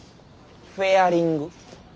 フェアリング。